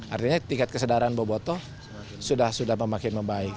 artinya tingkat kesedaran boboto sudah memakai membaik